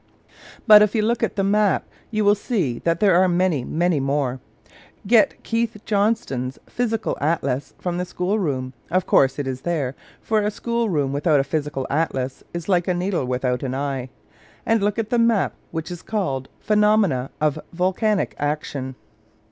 But if you look at the map, you will see that there are many, many more. Get Keith Johnston's Physical Atlas from the schoolroom of course it is there (for a schoolroom without a physical atlas is like a needle without an eye) and look at the map which is called "Phenomena of Volcanic Action."